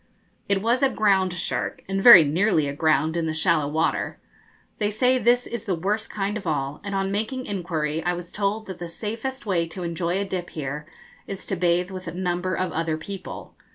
It was a ground shark, and very nearly aground in the shallow water. They say this is the worst kind of all, and on making inquiry I was told that the safest way to enjoy a dip here is to bathe with a number of other people.